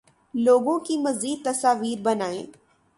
لوگوں کی مزید تصاویر بنائیں